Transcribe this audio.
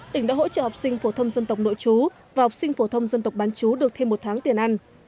tỉnh đã hỗ trợ học sinh phổ thông dân tộc nội chú và học sinh phổ thông dân tộc bán chú được thêm một tháng tiền ăn